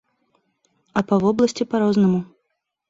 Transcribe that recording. А па вобласці па-рознаму.